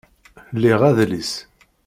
Liɣ adlis